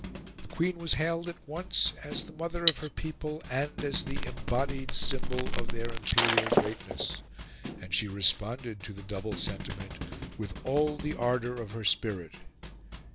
The Queen was hailed at once as the mother of her people and as the embodied symbol of their imperial greatness; and she responded to the double sentiment with all the ardour of her spirit.